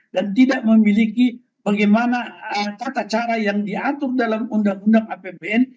dan tidak memiliki bagaimana tata cara yang diatur dalam undang undang apbn